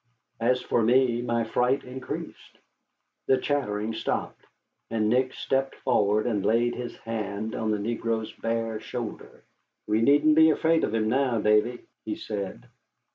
As for me, my fright increased. The chattering stopped, and Nick stepped forward and laid his hand on the negro's bare shoulder. "We needn't be afraid of him now, Davy," he said.